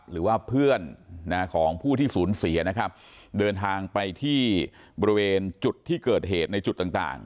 หรือว่าเพื่อนของผู้ที่สูญเสียนะครับเดินทางไปที่บริเวณจุดที่เกิดเหตุในจุดต่าง